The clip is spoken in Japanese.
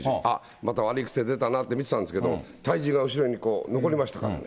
また悪い癖、見てたんですけど、体重が後ろに残りましたからね。